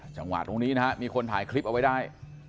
จังหวะตรงนี้นะฮะมีคนถ่ายคลิปเอาไว้ได้